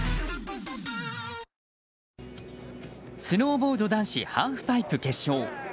スノーボード男子ハーフパイプ決勝。